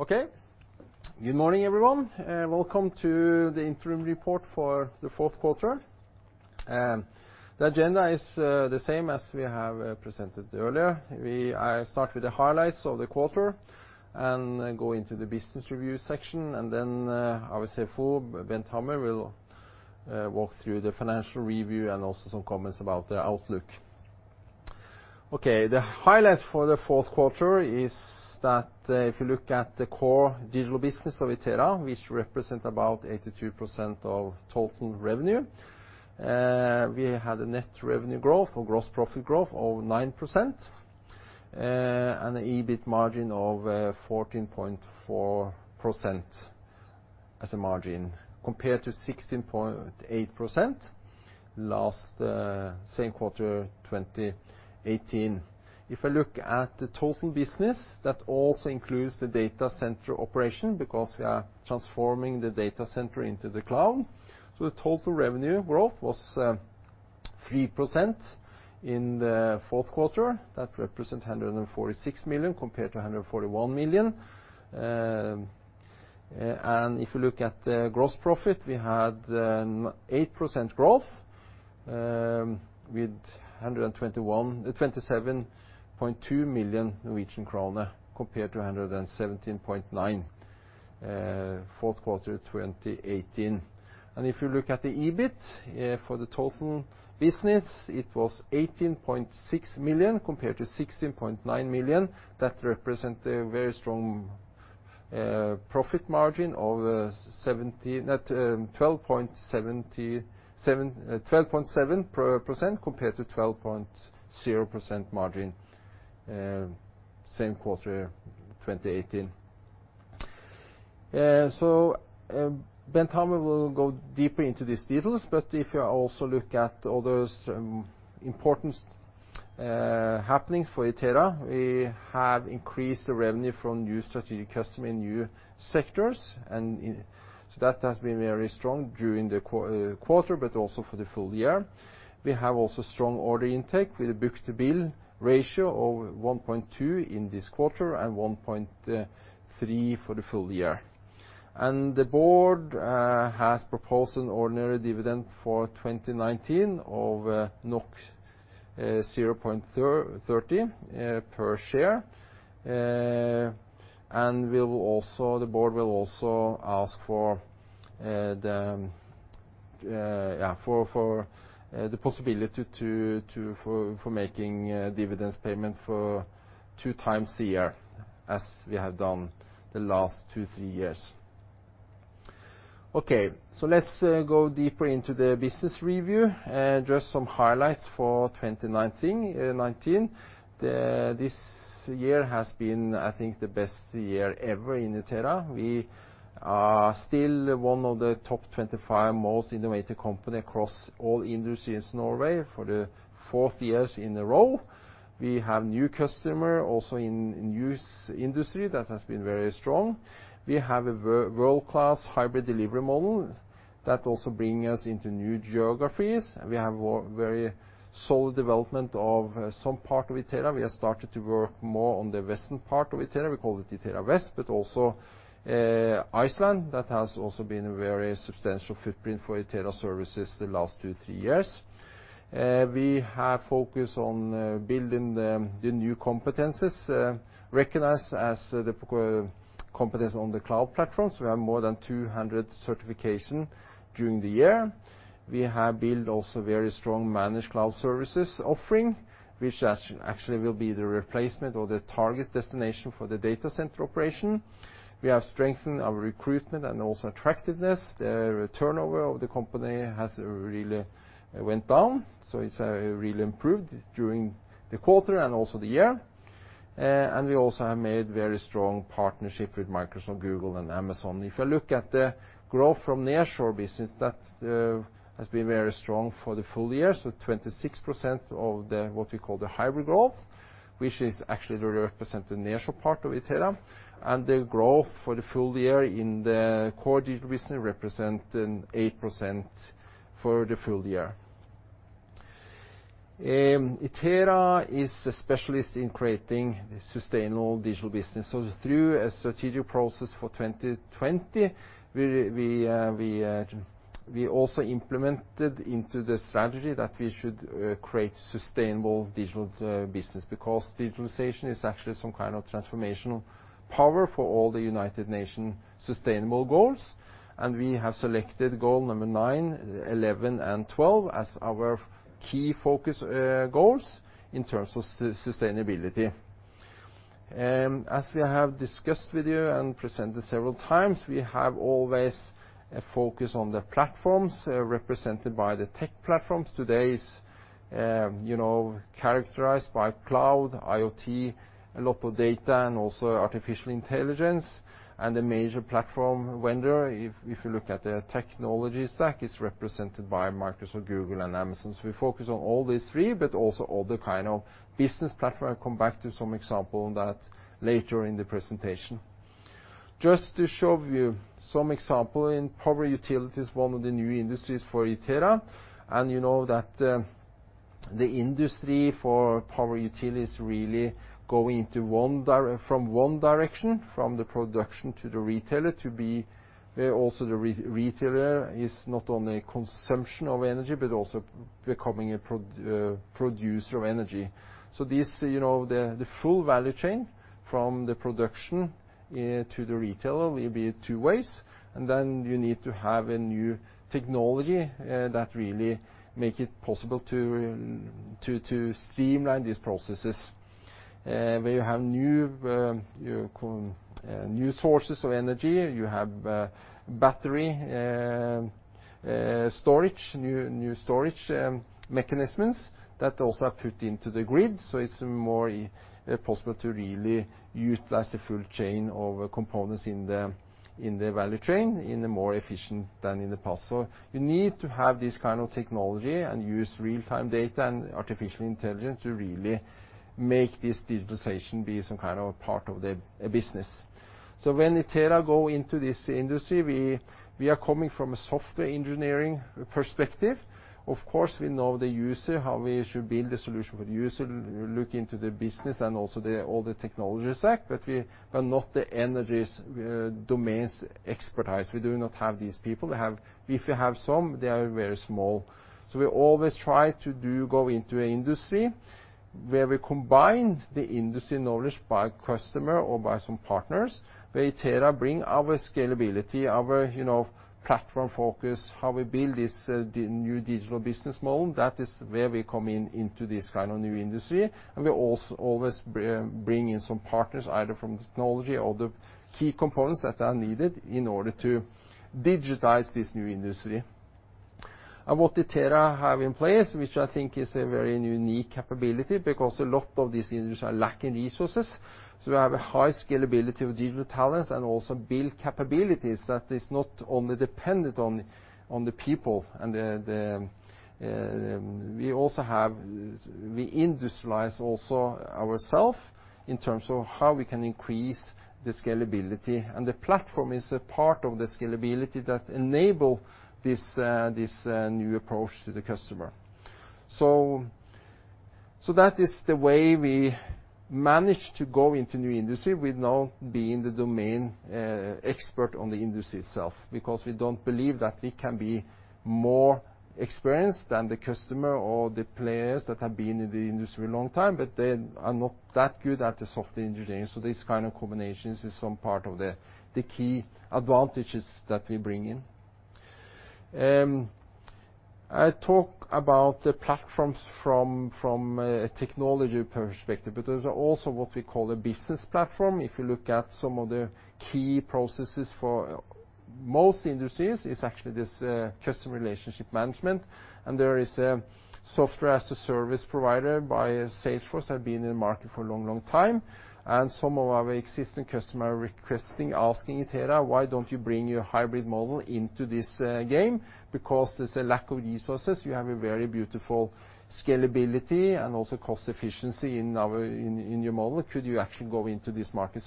Okay. Good morning, everyone. Welcome to the interim report for the Q4. The agenda is the same as we have presented earlier. I start with the highlights of the quarter and go into the business review section, and then our CFO, Bent Hammer, will walk through the financial review and also some comments about the outlook. Okay. The highlights for the Q4 is that if you look at the core digital business of Itera, which represents about 82% of total revenue, we had a net revenue growth or gross profit growth of 9%, and an EBIT margin of 14.4% as a margin compared to 16.8% last same quarter 2018. If I look at the total business, that also includes the data center operation because we are transforming the data center into the cloud. So the total revenue growth was 3% in the Q4. That represents 146 million NOK compared to 141 million NOK, and if you look at the gross profit, we had 8% growth with 127.2 million Norwegian krone compared to 117.9 million NOK Q4 2018, and if you look at the EBIT for the total business, it was 18.6 million NOK compared to 16.9 million NOK. That represents a very strong profit margin of 12.7% compared to 12.0% margin same quarter 2018, so Bent Hammer will go deeper into these details, but if you also look at other important happenings for Itera, we have increased the revenue from new strategic customers in new sectors, and that has been very strong during the quarter, but also for the full year. We have also strong order intake with a book-to-bill ratio of 1.2 in this quarter and 1.3 for the full year. And the board has proposed an ordinary dividend for 2019 of 0.30 per share. And the board will also ask for the possibility to make dividend payments two times a year as we have done the last two, three years. Okay. Let's go deeper into the business review and address some highlights for 2019, '19. This year has been, I think, the best year ever in Itera. We are still one of the top 25 most innovative companies across all industries in Norway for the fourth year in a row. We have new customers also in new industries that has been very strong. We have a world-class hybrid delivery model that also brings us into new geographies. We have a very solid development of some part of Itera. We have started to work more on the western part of Itera. We call it Itera West, but also Iceland. That has also been a very substantial footprint for Itera services the last two, three years. We have focused on building the new competences, recognized as the key competence on the cloud platform. So we have more than 200 certifications during the year. We have built also a very strong managed cloud services offering, which has actually will be the replacement or the target destination for the data center operation. We have strengthened our recruitment and also attractiveness. The turnover of the company has really went down. So it's really improved during the quarter and also the year. We also have made very strong partnerships with Microsoft, Google, and Amazon. If I look at the growth from nearshore business, that has been very strong for the full year. So 26% of what we call the hybrid growth, which actually represents the nearshore part of Itera. And the growth for the full year in the core digital business represents an 8% for the full year. Itera is a specialist in creating sustainable digital business. So through a strategic process for 2020, we also implemented into the strategy that we should create sustainable digital business because digitalization is actually some kind of transformational power for all the United Nations sustainable goals. And we have selected goal number nine, 11, and 12 as our key focus goals in terms of sustainability. As we have discussed with you and presented several times, we have always a focus on the platforms represented by the tech platforms. Today is, you know, characterized by cloud, IoT, a lot of data, and also artificial intelligence. And the major platform vendor, if you look at the technology stack, is represented by Microsoft, Google, and Amazon. So we focus on all these three, but also other kind of business platform. I'll come back to some example on that later in the presentation. Just to show you some example, in power utility is one of the new industries for Itera. And you know that, the industry for power utility is really going in one direction, from the production to the retailer to be, also the retailer is not only consumption of energy but also becoming a producer of energy. So this, you know, the full value chain from the production, to the retailer will be two ways. And then you need to have a new technology, that really makes it possible to streamline these processes. where you have new, you see new sources of energy. You have battery storage, new storage mechanisms that also are put into the grid. So it's more possible to really utilize the full chain of components in the value chain in a more efficient than in the past. So you need to have this kind of technology and use real-time data and artificial intelligence to really make this digitalization be some kind of a part of the business. So when Itera go into this industry, we are coming from a software engineering perspective. Of course, we know the user, how we should build a solution for the user, look into the business, and also all the technology stack, but we are not the energy domain expertise. We do not have these people. We have if you have some, they are very small. We always try to go into an industry where we combine the industry knowledge by customer or by some partners. Where Itera bring our scalability, our, you know, platform focus, how we build this, the new digital business model. That is where we come into this kind of new industry. We also always bring in some partners either from technology or the key components that are needed in order to digitize this new industry. What Itera have in place, which I think is a very unique capability because a lot of these industry are lacking resources. We have a high scalability of digital talents and also build capabilities that is not only dependent on the people, and we also have. We industrialize also ourselves in terms of how we can increase the scalability. And the platform is a part of the scalability that enable this new approach to the customer. So that is the way we manage to go into new industry without being the domain expert on the industry itself because we don't believe that we can be more experienced than the customer or the players that have been in the industry a long time, but they are not that good at the software engineering. So these kind of combinations is some part of the key advantages that we bring in. I talk about the platforms from technology perspective, but there's also what we call a business platform. If you look at some of the key processes for most industries, it's actually this customer relationship management. And there is a software as a service provider by Salesforce that have been in the market for a long, long time. Some of our existing customers are requesting, asking Itera, "Why don't you bring your hybrid model into this game?" Because there's a lack of resources. You have a very beautiful scalability and also cost efficiency in your model. Could you actually go into this market?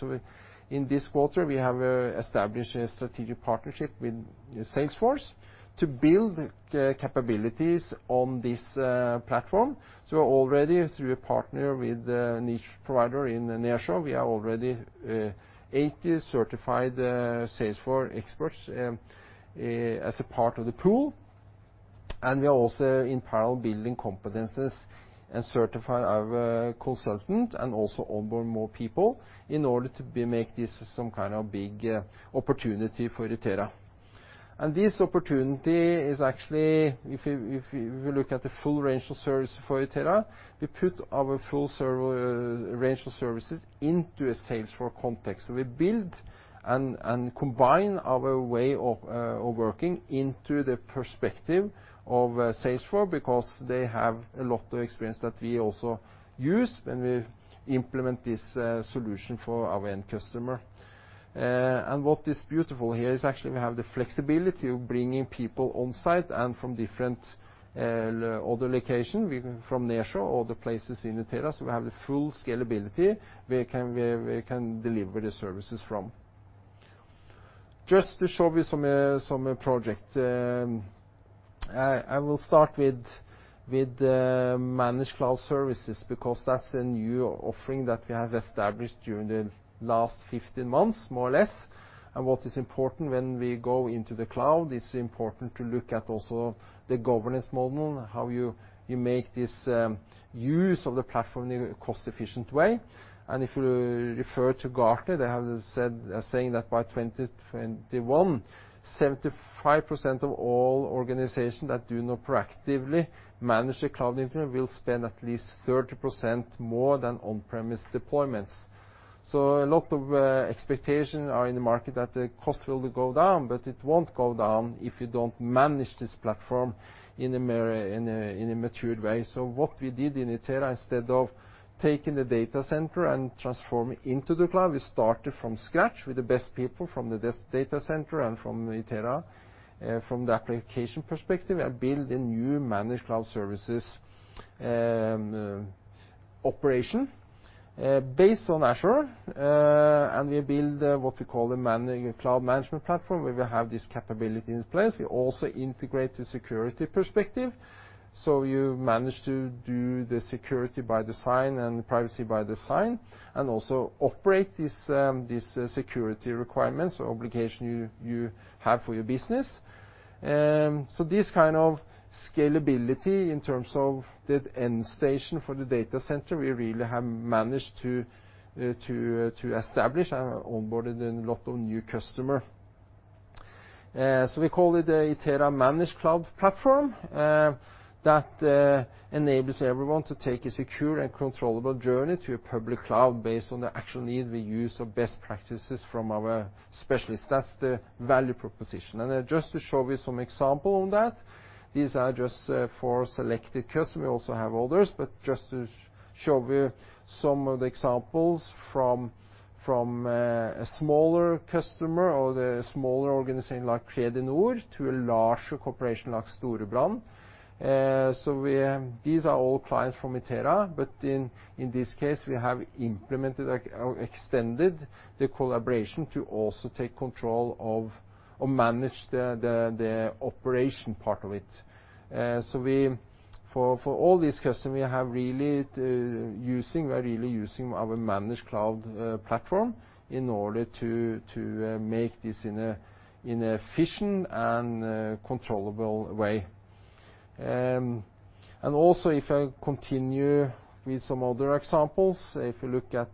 In this quarter, we have established a strategic partnership with Salesforce to build capabilities on this platform. Already through a partner with niche provider in nearshore, we are already 80 certified Salesforce experts, as a part of the pool. We are also in parallel building competencies and certify our consultant and also onboard more people in order to make this some kind of big opportunity for Itera. And this opportunity is actually if you look at the full range of services for Itera. We put our full service range of services into a Salesforce context. So we build and combine our way of working into the perspective of Salesforce because they have a lot of experience that we also use, and we implement this solution for our end customer. And what is beautiful here is actually we have the flexibility of bringing people onsite and from different other locations. We from nearshore or other places in Itera. So we have the full scalability where we can deliver the services from. Just to show you some project, I will start with managed cloud services because that's a new offering that we have established during the last 15 months more or less. What is important when we go into the cloud is important to look at also the governance model, how you make this use of the platform in a cost-efficient way. If you refer to Gartner, they are saying that by 2021, 75% of all organizations that do not proactively manage the cloud infrastructure will spend at least 30% more than on-premise deployments. A lot of expectations are in the market that the cost will go down, but it won't go down if you don't manage this platform in a matured way. What we did in Itera, instead of taking the data center and transforming into the cloud, we started from scratch with the best people from the data center and from Itera, from the application perspective, and build a new managed cloud services operation, based on Azure. And we build what we call a managed cloud management platform where we have this capability in place. We also integrate the security perspective. So you manage to do the security by design and privacy by design and also operate this security requirements or obligation you have for your business. So this kind of scalability in terms of the end station for the data center, we really have managed to establish and onboarded a lot of new customers. So we call it a Itera Managed Cloud Platform that enables everyone to take a secure and controllable journey to a public cloud based on the actual need we use of best practices from our specialists. That's the value proposition. And just to show you some example on that, these are just for selected customers. We also have others, but just to show you some of the examples from a smaller customer or the smaller organization like Kredinor to a larger corporation like Storebrand. These are all clients from Itera, but in this case, we have implemented or extended the collaboration to also take control of or manage the operation part of it. For all these customers, we are really using our managed cloud platform in order to make this in an efficient and controllable way, and also if I continue with some other examples, if you look at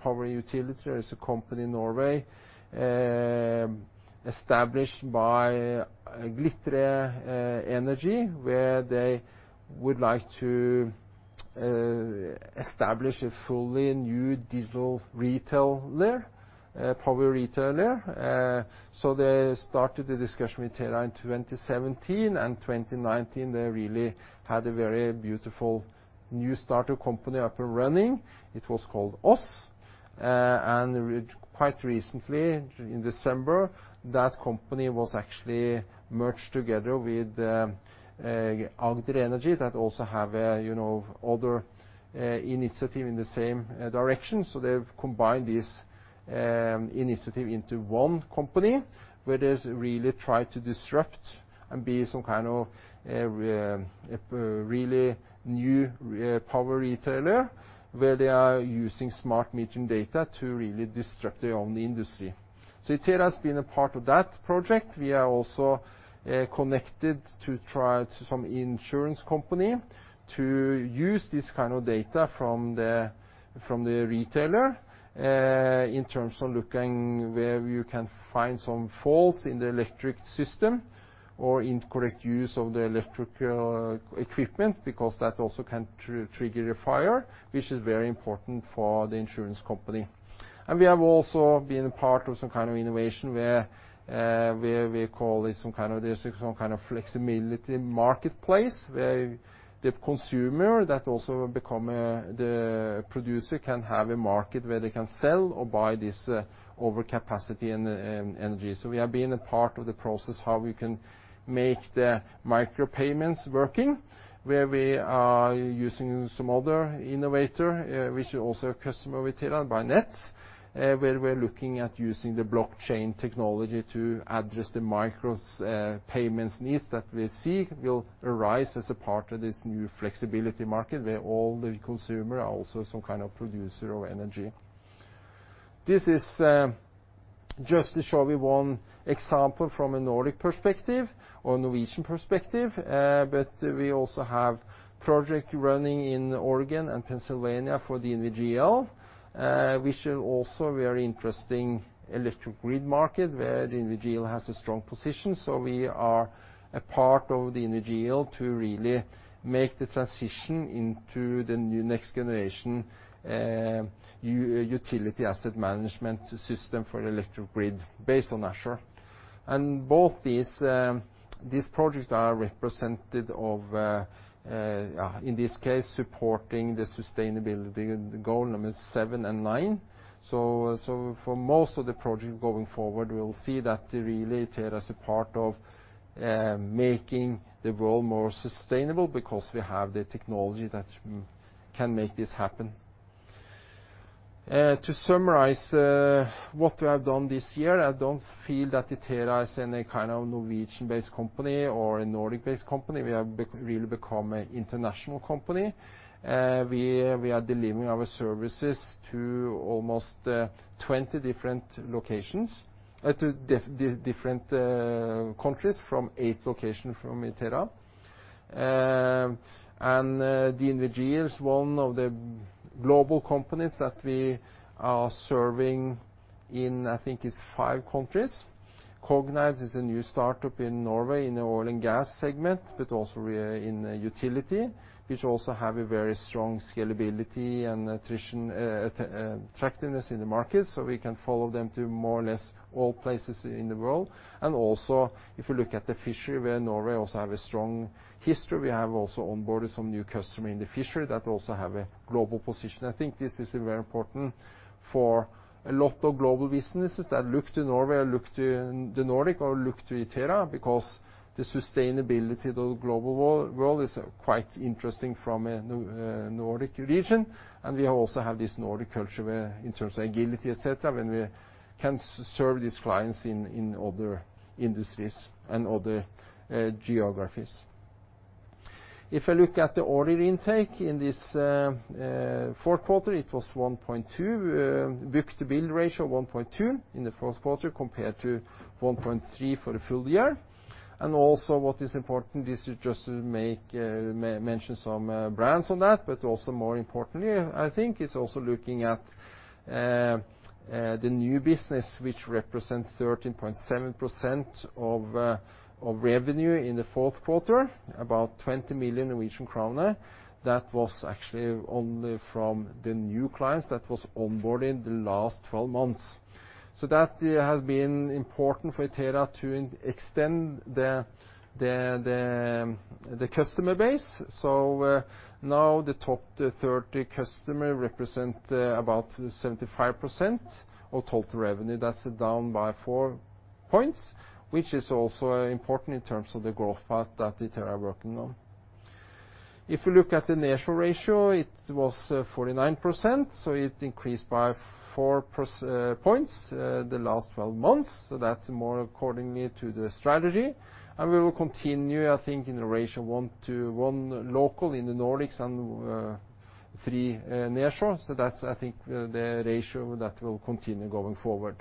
power utility, there is a company in Norway, established by Glitre Energi, where they would like to establish a fully new digital retailer, power retailer. So they started the discussion with Itera in 2017, and 2019, they really had a very beautiful new startup company up and running. It was called Oss and quite recently, in December, that company was actually merged together with Agder Energi that also have a, you know, other, initiative in the same, direction. So they've combined this, initiative into one company where they really try to disrupt and be some kind of, really new, power retailer where they are using smart metering data to really disrupt their own industry. So Itera has been a part of that project. We are also connected to try to some insurance company to use this kind of data from the retailer, in terms of looking where you can find some faults in the electric system or incorrect use of the electrical equipment because that also can trigger a fire, which is very important for the insurance company. And we have also been a part of some kind of innovation where we call it some kind of flexibility marketplace where the consumer that also become a the producer can have a market where they can sell or buy this overcapacity and energy. So we have been a part of the process how we can make the micropayments working where we are using some other innovator, which is also a customer of Itera, Bynett, where we're looking at using the blockchain technology to address the micropayments needs that we see will arise as a part of this new flexibility market where all the consumers are also some kind of producer of energy. This is, just to show you one example from a Nordic perspective or Norwegian perspective, but we also have project running in Oregon and Pennsylvania for the DNV GL, which is also a very interesting electric grid market where DNV GL has a strong position. So we are a part of the DNV GL to really make the transition into the new next generation, utility asset management system for electric grid based on Azure. Both these projects are representative of, in this case, supporting the sustainability goal number seven and nine. For most of the project going forward, we'll see that really Itera is a part of making the world more sustainable because we have the technology that can make this happen. To summarize what we have done this year, I don't feel that Itera is any kind of Norwegian-based company or a Nordic-based company. We have really become an international company. We are delivering our services to almost 20 different locations in different countries from eight locations from Itera. The DNV GL is one of the global companies that we are serving. I think in five countries. Cognite is a new startup in Norway in the oil and gas segment, but also we are in utility, which also have a very strong scalability and attrition, attractiveness in the market, so we can follow them to more or less all places in the world, and also, if you look at the fishery, where Norway also have a strong history, we have also onboarded some new customers in the fishery that also have a global position. I think this is very important for a lot of global businesses that look to Norway or look to the Nordic or look to Itera because the sustainability of the global world is quite interesting from a Nordic region, and we also have this Nordic culture where in terms of agility, etc., when we can serve these clients in other industries and other geographies. If I look at the order intake in this Q4, it was 1.2, book-to-bill ratio of 1.2 in the Q4 compared to 1.3 for the full year. And also what is important, this is just to make mention some points on that, but also more importantly, I think, is also looking at the new business, which represents 13.7% of revenue in the Q4, about 20 million Norwegian kroner. That was actually only from the new clients that was onboarded in the last 12 months. So that has been important for Itera to extend the customer base. So, now the top 30 customers represent about 75% of total revenue. That's down by four points, which is also important in terms of the growth path that Itera are working on. If you look at the nearshore ratio, it was 49%. So it increased by four percentage points the last 12 months. So that's more accordingly to the strategy. And we will continue, I think, in the ratio one to one local in the Nordics and three nearshore. So that's, I think, the ratio that will continue going forward.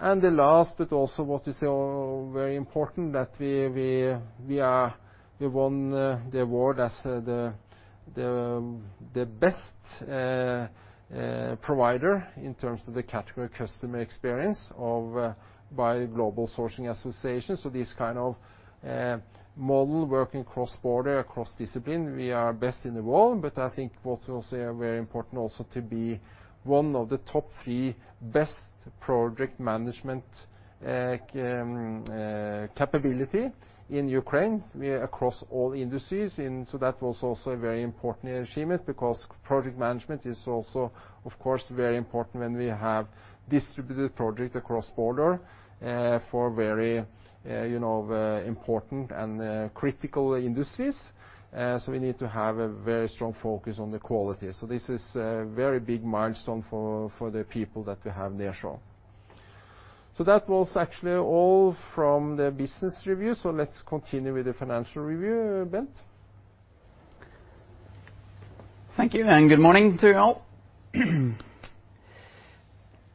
And the last, but also what is very important that we won the award as the best provider in terms of the category Customer Experience by Global Sourcing Association. So this kind of model working cross-border, across discipline, we are best in the world. But I think what we also are very important also to be one of the top three best project management capability in Ukraine across all industries. And so that was also a very important achievement because project management is also, of course, very important when we have distributed project across border for very, you know, important and critical industries. So we need to have a very strong focus on the quality. So this is a very big milestone for the people that we have nearshore. So that was actually all from the business review. So let's continue with the financial review, Bent. Thank you. And good morning to you all.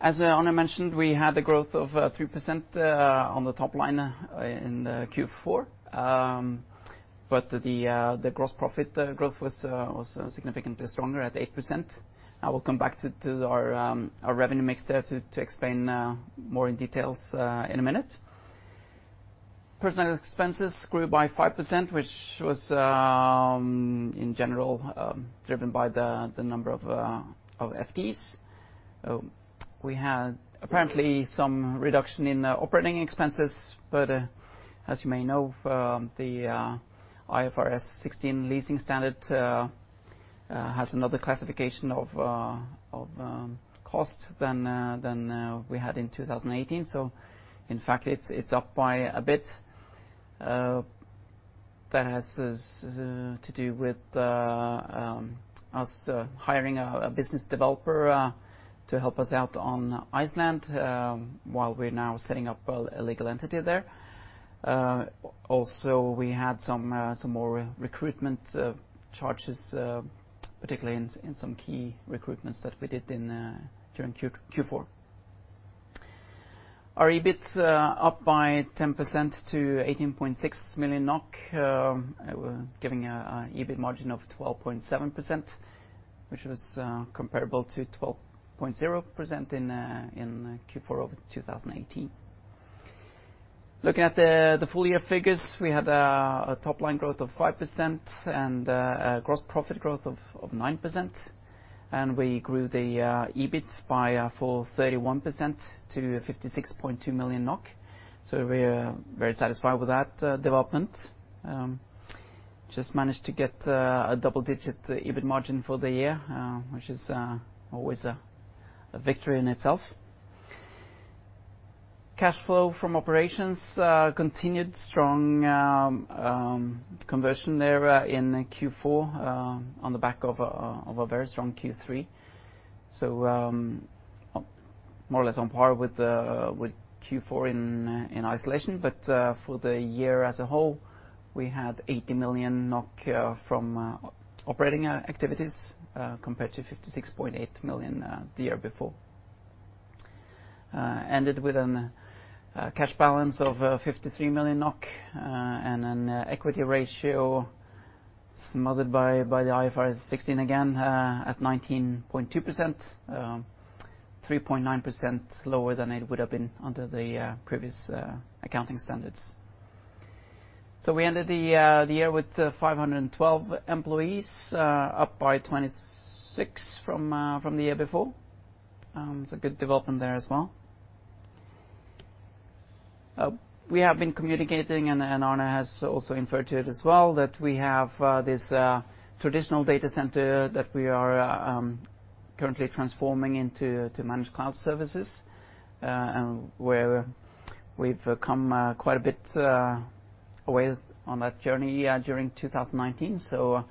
As Arne mentioned, we had a growth of 3% on the top line in Q4. But the gross profit growth was significantly stronger at 8%. I will come back to our revenue mix there to explain more in details in a minute. Personnel expenses grew by 5%, which was in general driven by the number of FTEs. We had apparently some reduction in operating expenses, but as you may know, the IFRS 16 leasing standard has another classification of cost than we had in 2018, so in fact, it's up by a bit. That has to do with us hiring a business developer to help us out on Iceland while we're now setting up a legal entity there. Also we had some more recruitment charges, particularly in some key recruitments that we did during Q4. Our EBIT, up by 10% to 18.6 million NOK. We're giving a EBIT margin of 12.7%, which was comparable to 12.0% in Q4 of 2018. Looking at the full year figures, we had a top line growth of 5% and a gross profit growth of 9%, and we grew the EBIT by full 31% to 56.2 million NOK. So we are very satisfied with that development. We just managed to get a double-digit EBIT margin for the year, which is always a victory in itself. Cash flow from operations continued strong conversion there in Q4 on the back of a very strong Q3, so more or less on par with Q4 in isolation, but for the year as a whole, we had 80 million NOK from operating activities, compared to 56.8 million NOK the year before. Ended with a cash balance of 53 million NOK, and an equity ratio lowered by the IFRS 16 again, at 19.2%, 3.9% lower than it would have been under the previous accounting standards, so we ended the year with 512 employees, up by 26 from the year before. It's a good development there as well. We have been communicating, and Arne Mjøs has also referred to it as well, that we have this traditional data center that we are currently transforming into managed cloud services, and where we've come quite a bit along on that journey during 2019, so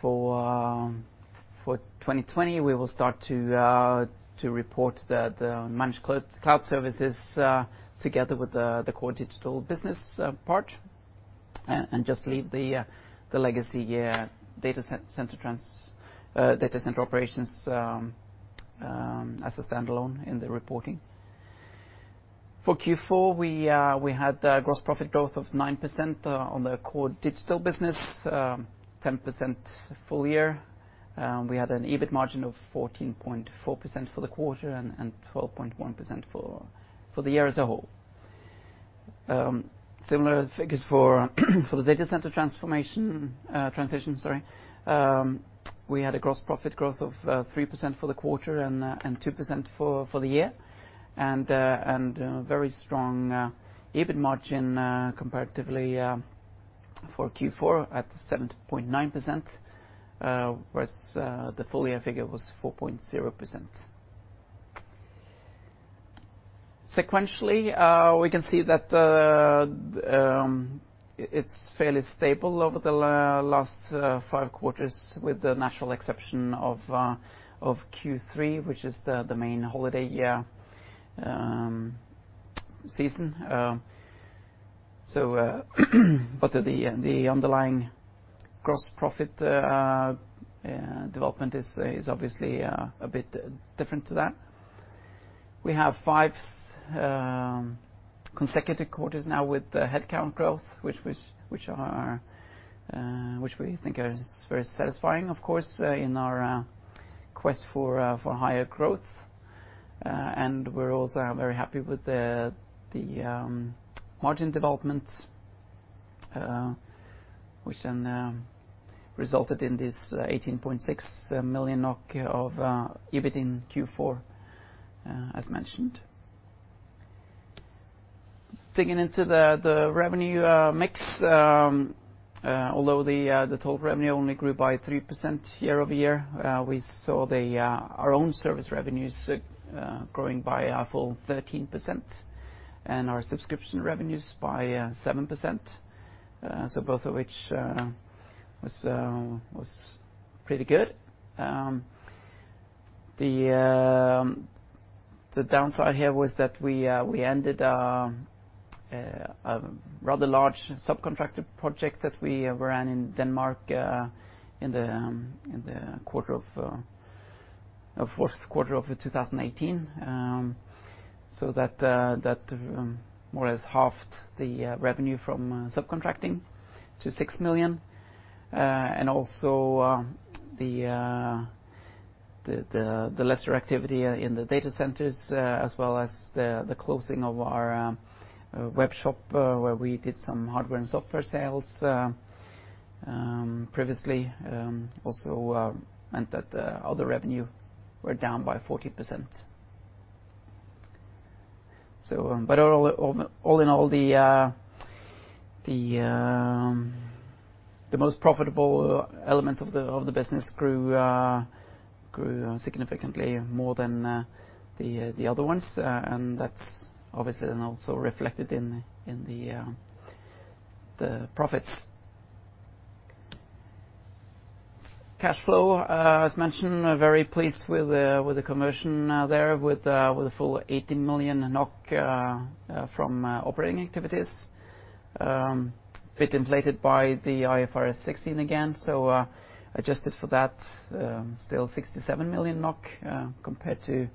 for 2020 we will start to report that managed cloud services together with the core digital business part, and just leave the legacy data center transformation operations as a standalone in the reporting. For Q4, we had a gross profit growth of 9% on the core digital business, 10% full year. We had an EBIT margin of 14.4% for the quarter and 12.1% for the year as a whole. Similar figures for the data center transformation transition, sorry. We had a gross profit growth of 3% for the quarter and 2% for the year, and very strong EBIT margin, comparatively, for Q4 at 7.9%, whereas the full year figure was 4.0%. Sequentially, we can see that it's fairly stable over the last five quarters with the natural exception of Q3, which is the main holiday season. But the underlying gross profit development is obviously a bit different to that. We have five consecutive quarters now with the headcount growth, which we think is very satisfying, of course, in our quest for higher growth. We're also very happy with the margin development, which then resulted in this 18.6 million NOK of EBIT in Q4, as mentioned. Digging into the revenue mix, although the total revenue only grew by 3% year over year, we saw our own service revenues growing by a full 13% and our subscription revenues by 7%. So both of which was pretty good. The downside here was that we ended a rather large subcontractor project that we ran in Denmark in the Q4 of 2018. So that more or less halved the revenue from subcontracting to 6 million NOK. And also the lesser activity in the data centers, as well as the closing of our web shop, where we did some hardware and software sales previously, also meant that other revenue were down by 40%. All in all, the most profitable elements of the business grew significantly more than the other ones, and that's obviously then also reflected in the profits. Cash flow, as mentioned. Very pleased with the conversion there with a full 80 million NOK from operating activities, bit inflated by the IFRS 16 again. Adjusted for that, still 67 million NOK compared to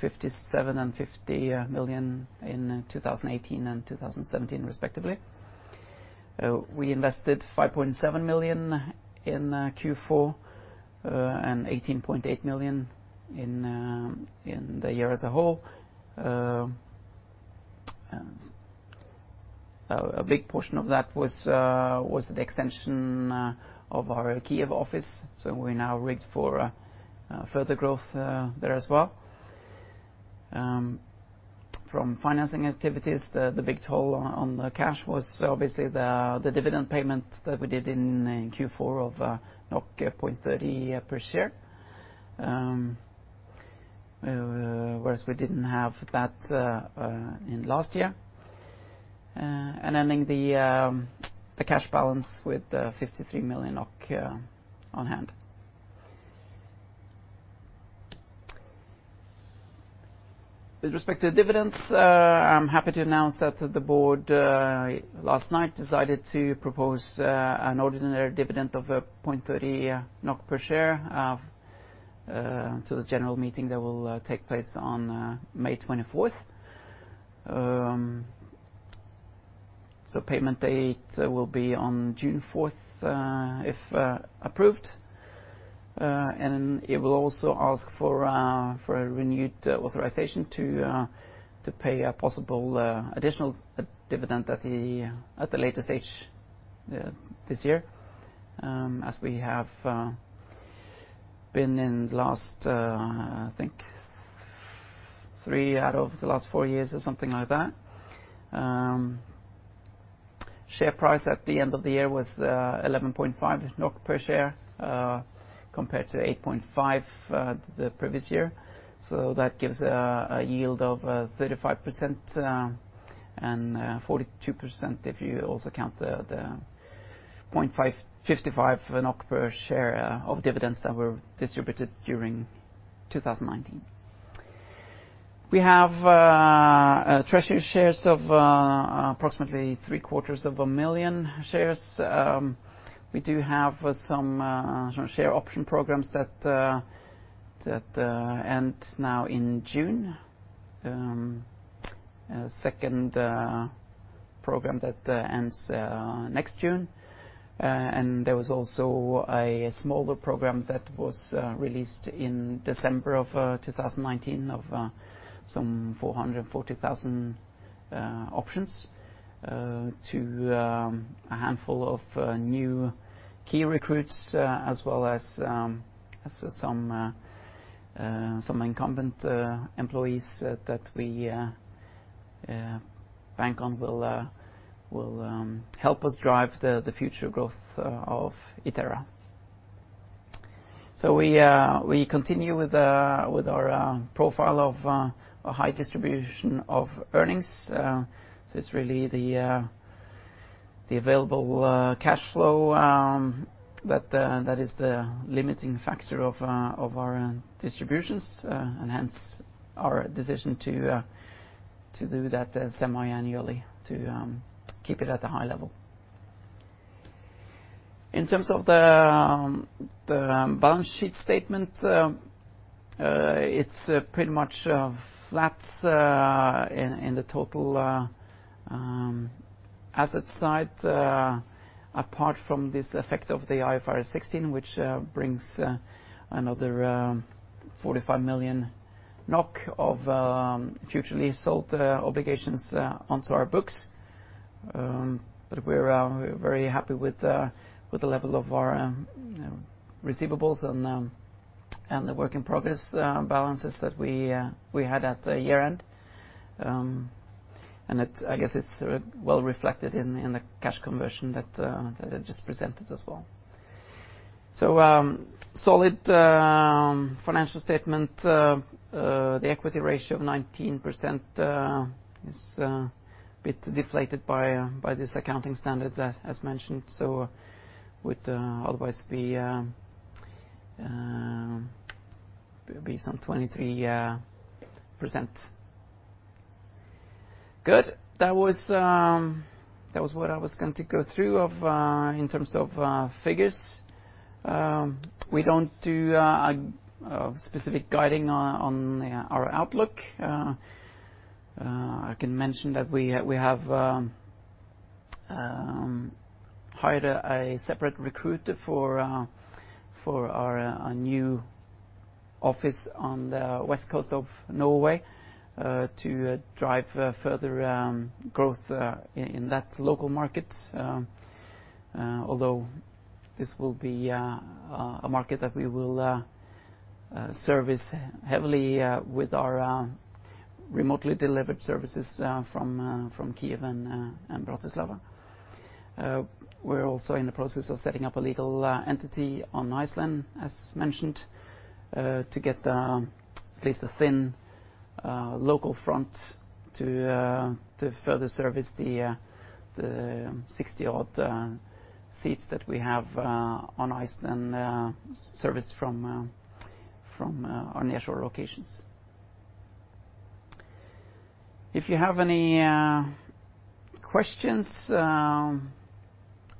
57 and 50 million in 2018 and 2017 respectively. We invested 5.7 million in Q4 and 18.8 million in the year as a whole. A big portion of that was the extension of our Kyiv office. We now rigged for further growth there as well. From financing activities, the big toll on the cash was obviously the dividend payment that we did in Q4 of 0.30 per share, whereas we didn't have that in last year, and ending the cash balance with 53 million NOK on hand. With respect to dividends, I'm happy to announce that the board last night decided to propose an ordinary dividend of 0.30 NOK per share to the general meeting that will take place on May 24th, so payment date will be on June 4th, if approved, and it will also ask for a renewed authorization to pay a possible additional dividend at the later stage this year, as we have been in the last, I think three out of the last four years or something like that. Share price at the end of the year was 11.5 NOK per share, compared to 8.5 NOK the previous year. So that gives a yield of 35%, and 42% if you also count the 0.55 NOK per share of dividends that were distributed during 2019. We have treasury shares of approximately 750,000 shares. We do have some share option programs that end now in June, second program that ends next June, and there was also a smaller program that was released in December of 2019 of some 440,000 options to a handful of new key recruits, as well as some incumbent employees that we bank on will help us drive the future growth of Itera. So we continue with our profile of a high distribution of earnings. So it's really the available cash flow that is the limiting factor of our distributions, and hence our decision to do that semi-annually to keep it at a high level. In terms of the balance sheet statement, it's pretty much flat in the total asset side, apart from this effect of the IFRS 16, which brings another 45 million NOK of future lease obligations onto our books. But we're very happy with the level of our receivables and the work in progress balances that we had at the year end. And it, I guess it's well reflected in the cash conversion that I just presented as well. So solid financial statement, the equity ratio of 19% is a bit deflated by this accounting standard that, as mentioned. So it would otherwise be some 23%. Good. That was what I was going to go through in terms of figures. We don't do specific guiding on our outlook. I can mention that we have hired a separate recruit for our new office on the west coast of Norway to drive further growth in that local market. Although this will be a market that we will service heavily with our remotely delivered services from Kyiv and Bratislava. We're also in the process of setting up a legal entity on Iceland, as mentioned, to get at least a thin local front to further service the 60-odd seats that we have on Iceland, serviced from our nearshore locations. If you have any questions, I'm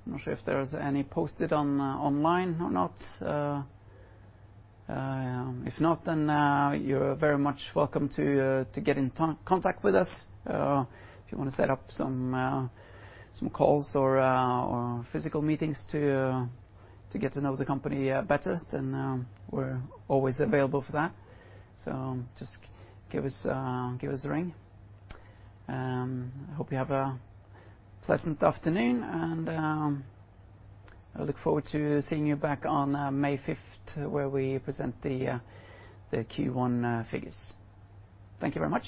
not sure if there was any posted online or not. If not, then you're very much welcome to get in contact with us. If you want to set up some calls or physical meetings to get to know the company better, then we're always available for that. So just give us a ring. I hope you have a pleasant afternoon, and I look forward to seeing you back on May 5th, where we present the Q1 figures. Thank you very much.